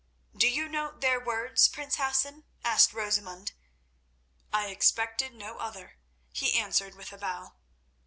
"Do you note their words, prince Hassan?" asked Rosamund. "I expected no other," he answered with a bow.